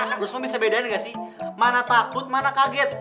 pak gusman bisa bedain gak sih mana takut mana kaget